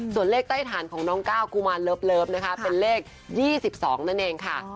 ส่วนเลขใต้ฐานของน้องก้าวกุมารเลิฟนะคะเป็นเลข๒๒นั่นเองค่ะ